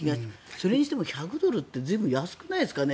それにしても１００ドルって随分安くないですかね